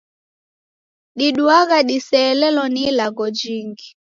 Diduagha diseelelo ni ilagho jingi.